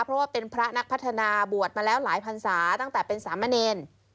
เพราะว่าเป็นพระนักพัฒนาบวชมาแล้วหลายพันศาตั้งแต่เป็นสามเณร